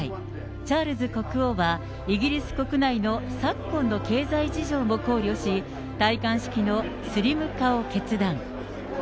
チャールズ国王はイギリス国内の昨今の経済事情も考慮し、戴冠式のスリム化を決断。